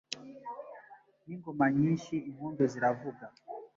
N'ingoma nyinshi impundu ziravuga